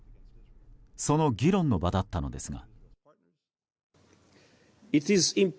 その議論の場だったのですが。